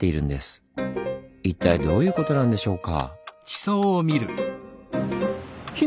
一体どういうことなんでしょうか？